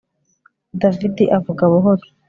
David avuga buhoro